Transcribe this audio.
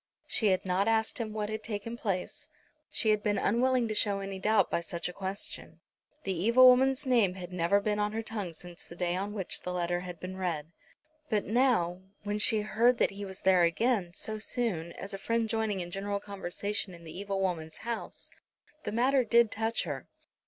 She had not asked him what had taken place. She had been unwilling to show any doubt by such a question. The evil woman's name had never been on her tongue since the day on which the letter had been read. But now, when she heard that he was there again, so soon, as a friend joining in general conversation in the evil woman's house, the matter did touch her.